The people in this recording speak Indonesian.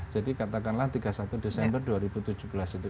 jadi katakanlah tiga puluh satu desember dua ribu tujuh belas itu